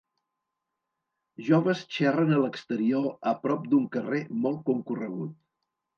Joves xerren a l'exterior a prop d'un carrer molt concorregut.